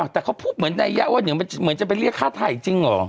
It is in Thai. แต่เขาพูดเหมือนนัยยะว่าเดี๋ยวเหมือนจะไปเรียกค่าถ่ายจริงเหรอ